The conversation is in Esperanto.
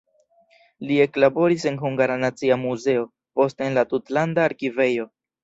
Li eklaboris en Hungara Nacia Muzeo, poste en la tutlanda arkivejo.